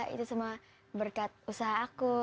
itu semua berkat usaha aku